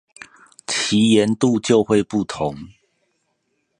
其鹽度就會不同